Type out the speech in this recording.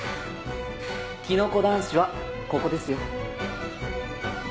キノコ男子はここですよ。